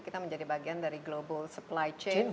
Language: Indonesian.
kita menjadi bagian dari global supply chain